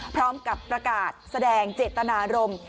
พร้อมกับประกาศแสดงเจตนารมณ์